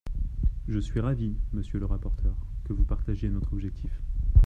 Je suis ravie, monsieur le rapporteur, que vous partagiez notre objectif.